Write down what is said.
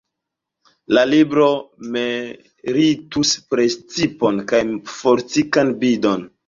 La libro meritus prestipon kaj fortikan bindon.